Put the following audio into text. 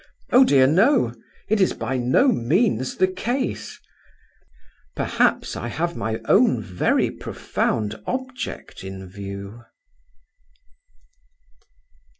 Oh dear no, it is by no means the case! Perhaps I have my own very profound object in view."